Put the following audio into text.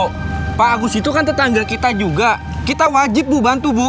kok berat banget kayak gitu